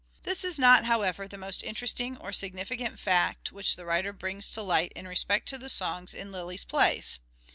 This is not, however, the most interesting or significant fact which the writer brings to light in respect to the songs in Lyly's plays.